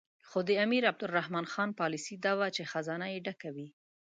خو د امیر عبدالرحمن خان پالیسي دا وه چې خزانه یې ډکه وي.